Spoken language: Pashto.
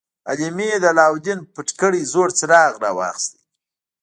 حلیمې د علاوالدین پټ کړی زوړ څراغ راواخیست.